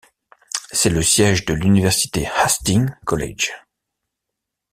C'est le siège de l'université Hastings College.